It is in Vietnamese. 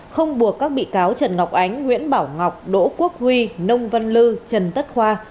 không buộc các bị cáo trần ngọc ánh nguyễn bảo ngọc đỗ quốc huy nông văn lư trần tất khoa